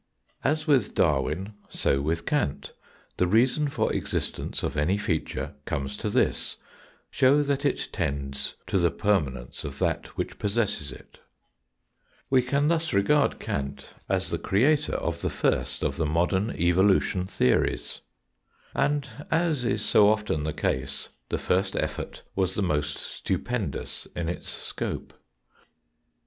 As with Darwin so with Kant, the reason for existence of any feature comes to this show that it tends to the permanence of that which possesses it. We can thus regard Kant as the creator of the first of APPLICATION TO KANT's THEORY OP EXPERIENCE 117 the modern evolution theories. And, as is so often the case, the first effort was the most stupendous in its scope.